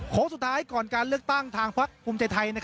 สุดท้ายก่อนการเลือกตั้งทางพักภูมิใจไทย